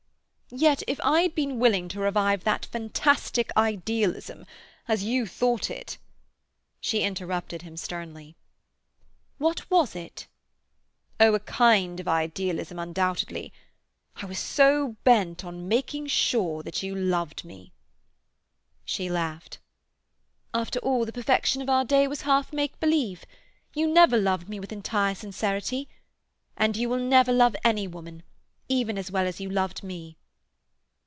"Yet, if I had been willing to revive that fantastic idealism—as you thought it—" She interrupted him sternly. "What was it?" "Oh, a kind of idealism undoubtedly. I was so bent on making sure that you loved me." She laughed. "After all, the perfection of our day was half make believe. You never loved me with entire sincerity. And you will never love any woman—even as well as you loved me."